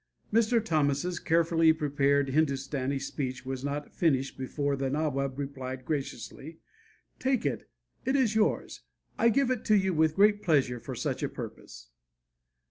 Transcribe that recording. Mr. Thomas's carefully prepared Hindustani speech was not finished before the Nawab replied graciously, "Take it! It is yours! I give it to you with great pleasure for such a purpose."